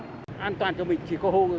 nhưng mà anh không biết gì là chuyện này